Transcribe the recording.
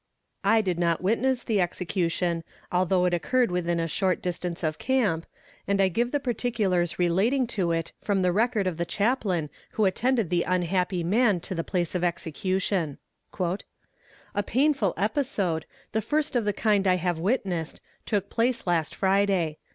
I did not witness the execution, although it occurred within a short distance of camp, and I give the particulars relating to it from the record of the chaplain who attended the unhappy man to the place of execution: "A painful episode, the first of the kind I have witnessed, took place last Friday.